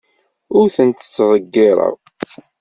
Ur tent-ttḍeyyireɣ.